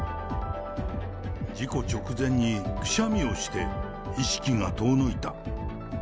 事故直前にくしゃみをして、意識が遠のいた。